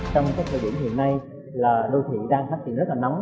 trong thời điểm hiện nay là đô thị đang phát triển rất là nóng